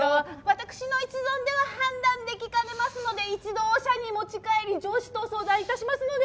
私の一存では判断できかねますので一度社に持ち帰り上司と相談致しますので。